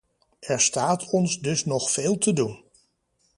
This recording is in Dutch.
Er staat ons dus nog veel te doen.